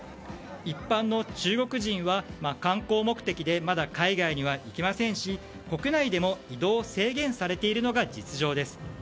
一般の中国人は観光目的でまだ海外には行けませんし国内でも移動を制限されているのが実情です。